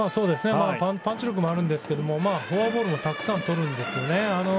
パンチ力もありますがフォアボールもたくさんとるんですね。